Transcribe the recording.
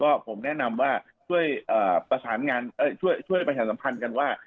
ก็ผมแนะนำว่าช่วยประสานงานช่วยประชาสัมพันธ์กันว่า